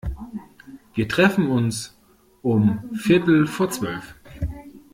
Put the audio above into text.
Wir treffen uns um viertel vor zwölf.